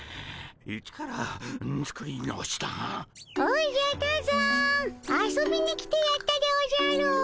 おじゃ多山遊びに来てやったでおじゃる。